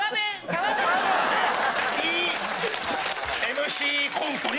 ＭＣコントいい！